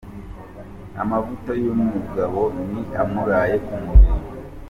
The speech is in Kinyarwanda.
Amavuta y’umugabo ni amuraye ku mubiri.